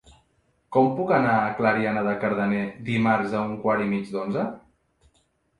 Com puc anar a Clariana de Cardener dimarts a un quart i mig d'onze?